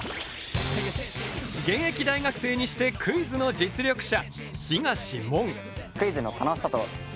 現役大学生にしてクイズの実力者